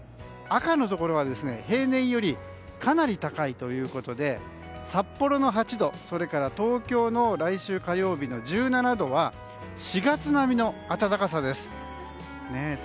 赤のところは平年よりかなり高いということで札幌の８度それから東京の来週火曜日の１７度は４月並みの暖かさです。